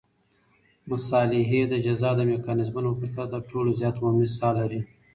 مصالحې د جزا د میکانیزمونو په پرتله تر ټولو زیات عمومي ساه لري.